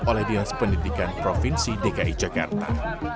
oleh dinas pendidikan provinsi dki jakarta